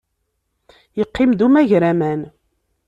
Yeqqim-d umagraman.